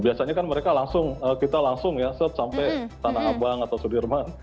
biasanya kan mereka langsung kita langsung ya sampai tanah abang atau sudirman